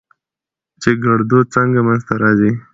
چې ګړدود څنګه منځ ته راځي؟